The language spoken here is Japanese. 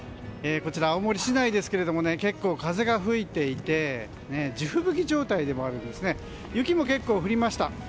こちらは青森市内ですけども結構、風が吹いていて地吹雪状態でもあるんですね。雪も結構降りました。